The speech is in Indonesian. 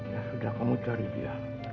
ya sudah kamu cari dia